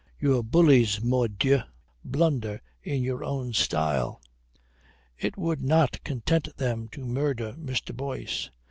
Your bullies, mordieu, blunder in your own style. It would not content them to murder Mr. Boyce.